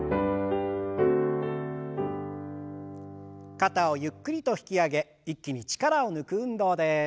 肩をゆっくりと引き上げ一気に力を抜く運動です。